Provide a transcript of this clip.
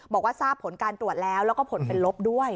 บอกว่าทราบผลการตรวจแล้วแล้วก็ผลเป็นลบด้วย